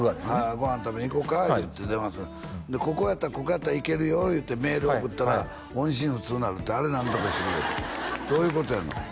ご飯食べに行こうかって電話するでここやったら行けるよってメール送ったら音信不通になるってあれ何とかしてくれってどういうことやの？